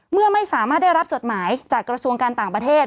เมื่อไม่สามารถได้รับจดหมายจากกระทรวงการต่างประเทศ